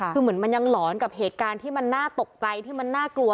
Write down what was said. คือเหมือนมันยังหลอนกับเหตุการณ์ที่มันน่าตกใจที่มันน่ากลัว